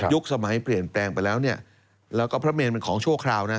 สมัยเปลี่ยนแปลงไปแล้วเนี่ยแล้วก็พระเมนเป็นของชั่วคราวนะ